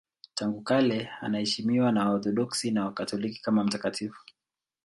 Tangu kale anaheshimiwa na Waorthodoksi na Wakatoliki kama mtakatifu.